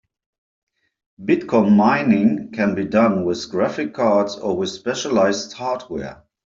Bitcoin mining can be done with graphic cards or with specialized hardware.